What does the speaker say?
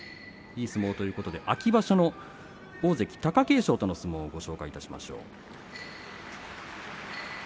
いい相撲ということで秋場所の大関貴景勝との相撲をご紹介しましょう。